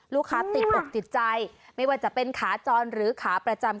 ติดอกติดใจไม่ว่าจะเป็นขาจรหรือขาประจำ